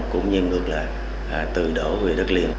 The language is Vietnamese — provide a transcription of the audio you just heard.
cũng như ngược lại từ đổ về đất liền